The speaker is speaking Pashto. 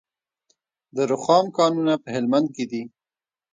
د رخام کانونه په هلمند کې دي